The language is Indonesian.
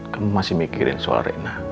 kamu masih mikirin soal rena